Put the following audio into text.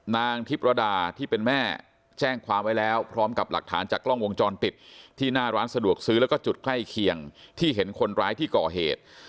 นางทิพรดาที่เป็นแม่แจ้งความไว้แล้วพร้อมกับหลักฐานจากกล้องวงจรปิดที่หน้าร้านสะดวกซื้อแล้วก็จุดใกล้เคียงที่เห็นคนร้ายที่ก่อเหตุ